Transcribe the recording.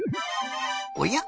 おや？